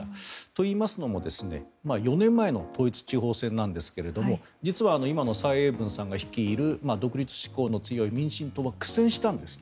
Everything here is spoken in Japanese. といいますのも４年前の統一地方選なんですが実は、今の蔡英文さんが率いる独立志向の強い民進党は苦戦したんです。